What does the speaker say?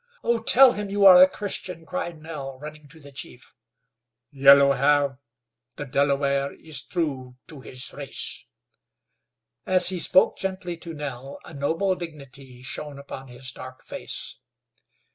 "Oh! tell him you are a Christian," cried Nell, running to the chief. "Yellow hair, the Delaware is true to his race." As he spoke gently to Nell a noble dignity shone upon his dark face.